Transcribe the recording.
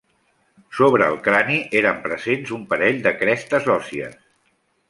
Sobre el crani eren presents un parell de crestes òssies.